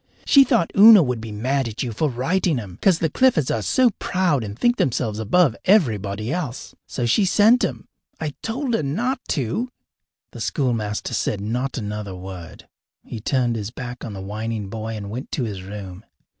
She thought Una would be mad at you for writing 'em, cause the Cliffords are so proud and think themselves above everybody else. So she sent 'em. I I told her not to." The schoolmaster said not another word. He turned his back on the whining boy and went to his room.